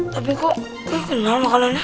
tapi kok kenal makanannya